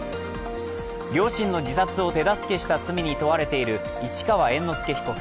両親の自殺を手助けした罪に問われている市川猿之助被告。